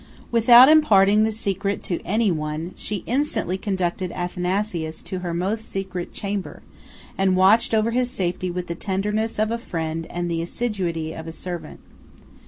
Without imparting the secret to any one, she instantly conducted Athanasius into her most secret chamber, and watched over his safety with the tenderness of a friend and the assiduity of a servant.